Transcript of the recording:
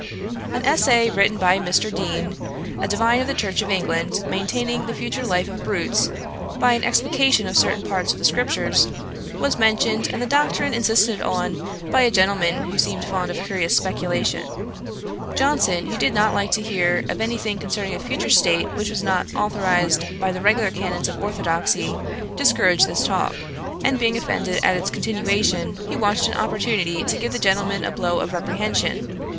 An essay, written by Mr. Deane, a divine of the Church of England, maintaining the future life of brutes, by an explication of certain parts of the scriptures, was mentioned, and the doctrine insisted on by a gentleman who seemed fond of curious speculation. Johnson, who did not like to hear of any thing concerning a future state which was not authorised by the regular canons of orthodoxy, discouraged this talk; and being offended at its continuation, he watched an opportunity to give the gentleman a blow of reprehension.